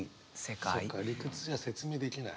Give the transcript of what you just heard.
そっか理屈じゃ説明できない。